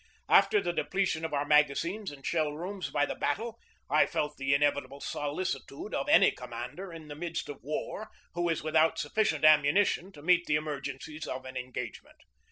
After the depletion of our magazines and shell rooms by the battle, I felt the inevitable solicitude of any commander in the midst of war who is without sufficient ammunition to meet the emergencies of an engagement.